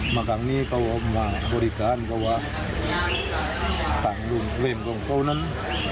มาทางนี้เขามาบริการกับว่าต่างรุ่นเทรมของเขานั้น